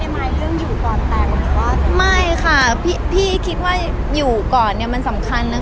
ยังไงคาถ้าไม่ไม่ไม่คิดว่าอยู่ก่อนแปลงก่อน